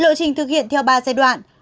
lựa chình thực hiện theo ba giai đoạn